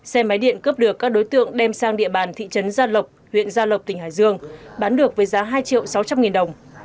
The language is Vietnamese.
xe máy điện cướp được các đối tượng đem sang địa bàn thị trấn gia lộc huyện gia lộc tỉnh hải dương bán được với giá hai triệu sáu trăm linh nghìn đồng